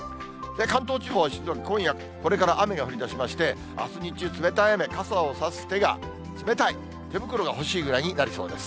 関東地方、今夜これから雨が降りだしまして、あす日中、冷たい雨、傘を差す手が冷たい、手袋が欲しいぐらいになりそうです。